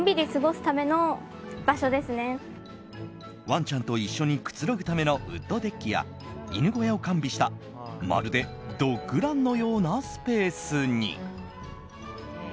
ワンちゃんと一緒にくつろぐためのウッドデッキや犬小屋を完備したまるでドッグランのようなスペースに。